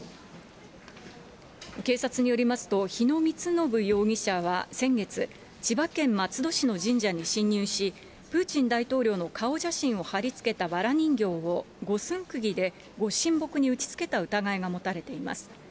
警察によりますと、日野充信容疑者は先月、千葉県松戸市の神社に侵入し、プーチン大統領の顔写真を貼りつけたわら人形を、五寸くぎでご神木に打ち付けた疑いが持たれています。